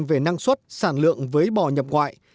về năng suất sản lượng với bò nhập ngoại